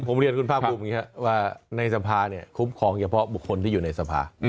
ผมเรียนคุณภาคภูมิว่าในสภาเนี่ยคุ้มครองเฉพาะบุคคลที่อยู่ในสภา